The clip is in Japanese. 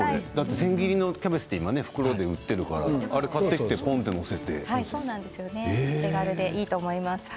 千切りのキャベツって今、袋で売っているからお手軽でいいと思います。